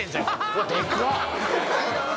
うわっでかっ！